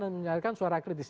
dan menyelekan suara kritis